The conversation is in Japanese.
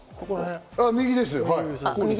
右です。